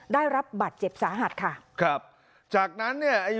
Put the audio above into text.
ได้รับบัตรเจ็บสาหัสค่ะครับจากนั้นเนี่ยอายุ